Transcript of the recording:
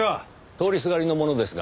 通りすがりの者ですが。